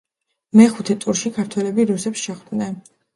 მეხუთე ტურში ქართველები რუსებს შეხვდნენ.